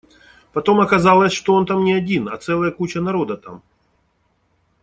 Потом оказалось, что он там не один, а целая куча народа там.